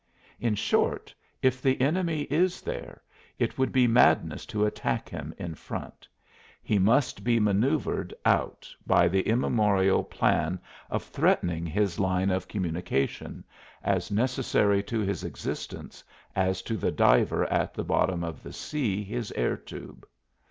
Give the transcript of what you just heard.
In short, if the enemy is there, it would be madness to attack him in front; he must be manoeuvred out by the immemorial plan of threatening his line of communication, as necessary to his existence as to the diver at the bottom of the sea his air tube.